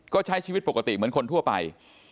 ก็ใช้ชีวิตปกติเหมือนคนทั่วไป